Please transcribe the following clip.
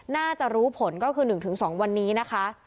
น่าจะรู้ผลก็คือ๑๒วันนี้นะคะ